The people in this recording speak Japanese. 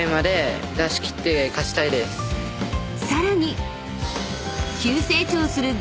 ［さらに］